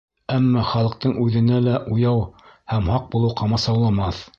Әммә халыҡтың үҙенә лә уяу һәм һаҡ булыу ҡамасауламаҫ.